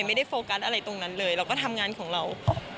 ไม่ได้โฟกัสอะไรตรงนั้นเลยเราก็ทำงานของเรา